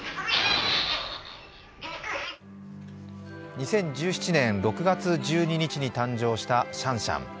２０１７年６月１２日に誕生したシャンシャン。